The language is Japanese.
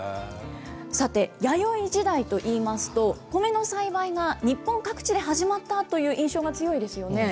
さて、弥生時代といいますと、コメの栽培が日本各地で始まったという印象が強いですよね。